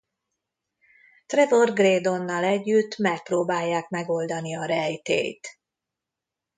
Trevor Graydonnal együtt megpróbálják megoldani a rejtélyt.